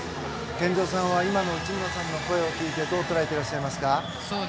健三さんは今の内村さんの声を聞いてどう捉えていらっしゃいますか？